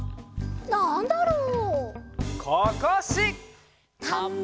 「なんだろう？